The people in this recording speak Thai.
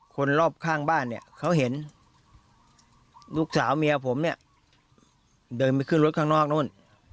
คนรอบข้างบ้านเนี่ยเขาเห็นลูกสาวเมียผมเนี่ยเดินไปขึ้นรถข้างนอกนู่น